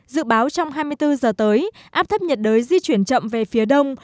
dự báo trong hai mươi bốn giờ tới áp thấp nhiệt đới di chuyển chậm về phía đông